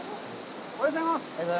おはようございます。